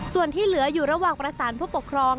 ส่วนที่เหลืออยู่ระหว่างประสานผู้ปกครอง